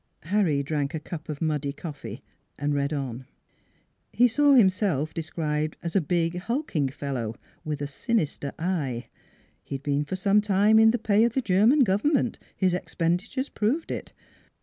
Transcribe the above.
Harry drank a cup of muddy coffee, and read on. He saw him self described as a big, hulking fellow, with a sin ister eye. ... He had been for some time in the pay of the German government; his expenditures proved it.